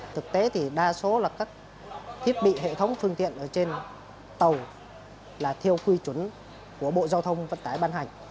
thực tế thì đa số là các thiết bị hệ thống phương tiện ở trên tàu là theo quy chuẩn của bộ giao thông vận tải ban hành